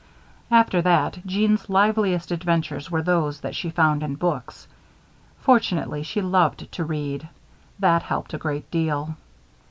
After that, Jeanne's liveliest adventures were those that she found in books. Fortunately, she loved to read. That helped a great deal.